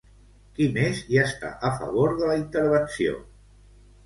Qui més hi està a favor de la intervenció?